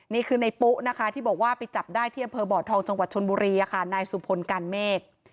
นี่คือในปุ๊นะคะที่บอกว่าไปจับได้ที่อำเภอบ่อทองจังหวัดชนบุรีนายสุพลการเมฆ